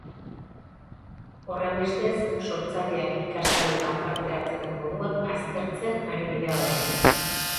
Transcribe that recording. Horrenbestez, sortzaileak ikastaroetan parte hartzeko moduak aztertzen ari dira orain.